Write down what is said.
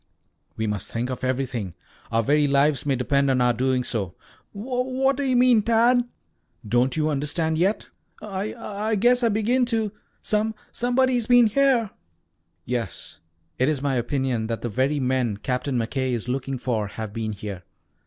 "We must think of everything. Our very lives may depend on our doing so." "Wha what do you mean, Tad?" "Don't you understand yet?" "I I guess I begin to. Some somebody's been here." "Yes. It is my opinion that the very men Captain McKay is looking for have been here.